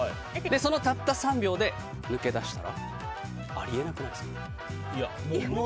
そのたった３秒で抜け出したらありえなくないですか？